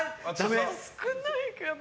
少ないかな。